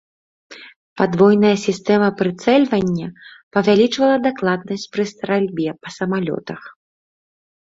Падвойная сістэма прыцэльвання павялічвала дакладнасць пры стральбе па самалётах.